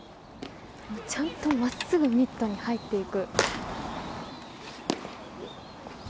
ちゃんと真っすぐミットに入っていく。